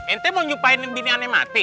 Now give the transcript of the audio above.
ente mau nyupainin bini ane mati